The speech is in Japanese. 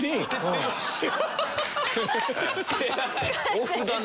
オフだなあ。